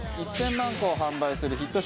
１０００万個を販売するヒット商品。